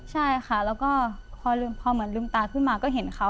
ใช่ค่ะแล้วก็พอเหมือนลืมตาขึ้นมาก็เห็นเขา